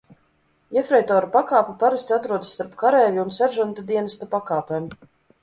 Jefreitora pakāpe parasti atrodas starp kareivja un seržanta dienesta pakāpēm.